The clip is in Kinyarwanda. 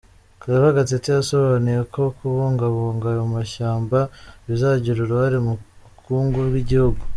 Claver Gatete, yasobanuye ko kubungabuga ayo mashyamba bizagira uruhare mu bukungu bw’igihugu.